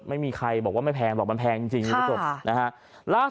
ไม่มีใครบอกว่าไม่แพงก็บอกว่าเวลามาแล้วจบ